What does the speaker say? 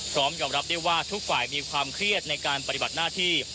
พร้อมยอมรับได้ว่าทุกฝ่ายมีความเครียดในการปฏิบัติหน้าที่